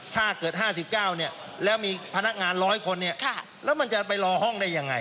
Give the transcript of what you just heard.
ถ้าเกิด๕๙เนี่ยแล้วมีพนักงาน๑๐๐คนเนี่ยแล้วมันจะไปรอห้องได้ยังไง